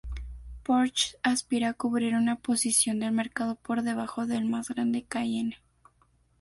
Porsche aspira a cubrir una posición del mercado por debajo del más grande Cayenne.